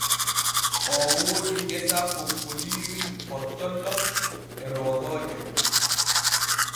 Oo woodi gesa kokkoliiri, hottollo e roogooje.